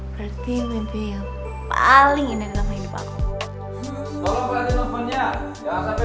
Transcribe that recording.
berarti mimpi yang paling indah dalam hidup aku